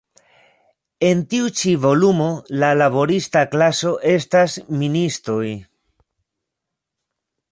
En tiu ĉi volumo, la laborista klaso estas ministoj.